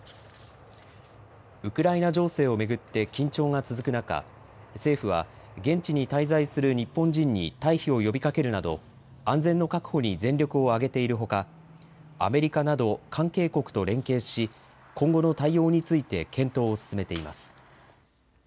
ウクライナ情勢を巡って緊張が続く中、政府は現地に滞在する日本人に退避を呼びかけるなど安全の確保に全力を挙げているほか、アメリカなど関係国と連携し今後の対応について検討を進めています。